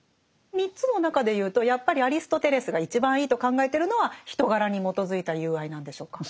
３つの中で言うとやっぱりアリストテレスが一番いいと考えてるのは人柄に基づいた友愛なんでしょうか？